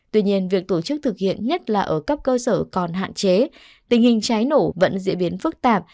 tuy nhiên việc tổ chức thực hiện nhất là ở cấp cơ sở còn hạn chế tình hình cháy nổ vẫn diễn biến phức tạp